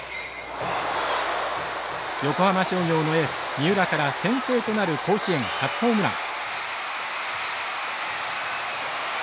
横浜商業のエース・三浦から先制となる甲子園初ホームラン。